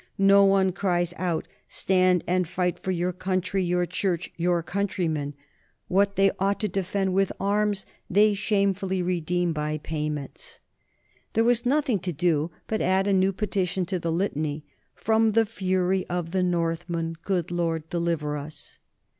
No one cries out, Stand and fight for your country, your church, your countrymen. What they ought to defend with THE COMING OF THE NORTHMEN 35 arms, they shamefully redeem by payments." There was nothing to do but add a new petition to the litany, "From the fury of the Northmen, good Lord, deliver us."